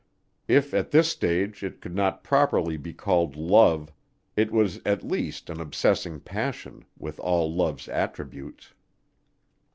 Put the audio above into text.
If at this stage it could not properly be called love, it was at least an obsessing passion with all love's attributes.